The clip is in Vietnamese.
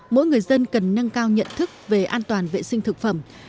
mỗi người dân cần nâng cao nhận thức về an toàn vệ sinh thực phẩm